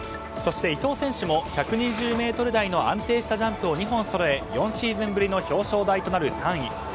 そして伊藤選手も１２０ｍ台の安定したジャンプを２本そろえ４シーズンぶりの表彰台となる３位。